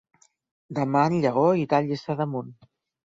Demà en Lleó irà a Lliçà d'Amunt.